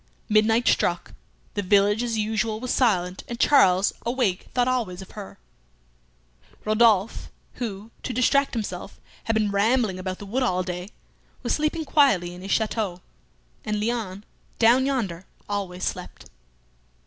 Midnight struck. The village as usual was silent, and Charles, awake, thought always of her. Rodolphe, who, to distract himself, had been rambling about the wood all day, was sleeping quietly in his château, and Léon, down yonder, always slept.